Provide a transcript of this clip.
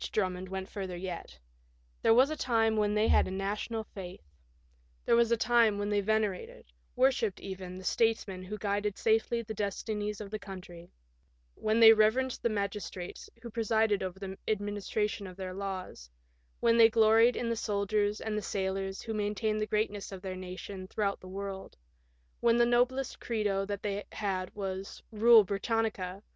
Drummond went further yet : "There was a time when they had a national faith; 11 158 THE BRITISH SAILOR. there was a time when they venerated, worshipped even, the statesman who guided safely the destinies of the country; when they reverenced the magistrates who presided over the administration of their laws ; when they gloried in the soldiers and the sailors who main tained the greatness of their nation throughout the world ; when the noblest credo that they had was * Bule, Britannia